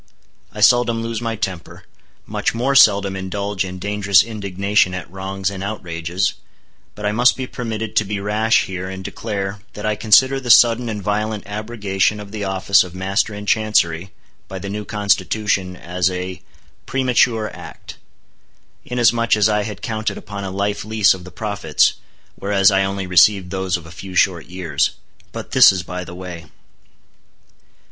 I seldom lose my temper; much more seldom indulge in dangerous indignation at wrongs and outrages; but I must be permitted to be rash here and declare, that I consider the sudden and violent abrogation of the office of Master in Chancery, by the new Constitution, as a—premature act; inasmuch as I had counted upon a life lease of the profits, whereas I only received those of a few short years. But this is by the way.